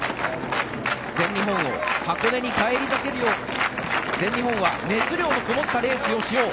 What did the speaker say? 全日本を箱根に返り咲けるよう全日本は熱量を持ったレースをしよう